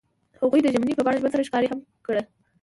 هغوی د ژمنې په بڼه ژوند سره ښکاره هم کړه.